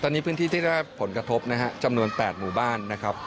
ตอนนี้พันธุ์ที่ได้ผลกระทบจำนวน๘หมู่บ้าน